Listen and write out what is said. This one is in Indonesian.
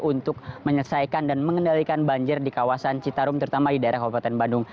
untuk menyelesaikan dan mengendalikan banjir di kawasan citarum terutama di daerah kabupaten bandung